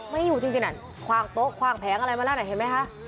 ไม่อยู่จริงนั่นคว่างโต๊ะคว่างแผงอะไรมาแล้วน่ะเห็นไหมคะ